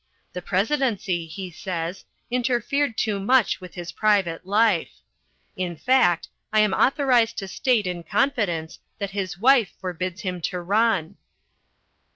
The Presidency, he says, interfered too much with his private life. In fact, I am authorised to state in confidence that his wife forbids him to run."